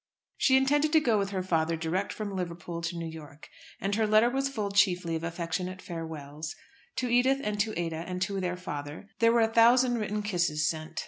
She intended to go with her father direct from Liverpool to New York, and her letter was full chiefly of affectionate farewells. To Edith and to Ada and to their father there were a thousand written kisses sent.